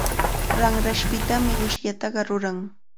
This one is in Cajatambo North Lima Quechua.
Ramrashpitami wishllataqa ruran.